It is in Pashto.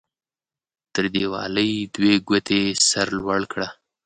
تر دیوالۍ دوې ګوتې سر لوړ کړه.